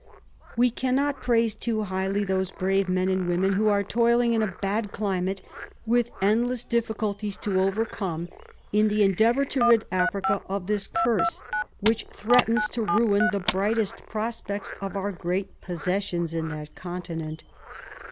We cannot praise too highly those brave men and women who are toiling in a bad climate, with endless difficulties to overcome, in the endeavour to rid Africa of this curse, which threatens to ruin the brightest prospects of our great posses sions in that continent.